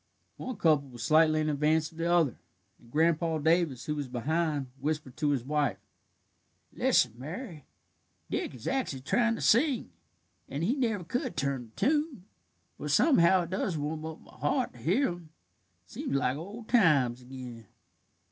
One couple was slightly in advance of the other, and Grandpa Davis, who was behind, whispered to his wife: "Listen, Mary, Dick is actually tryin' to sing, and he never could turn a tune, but somehow it does warm up my heart to hear him: seems like old times ag'in."